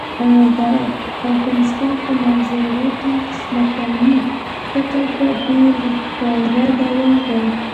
د افغانستان په منظره کې ځمکنی شکل په ډېر ښکاره ډول دی.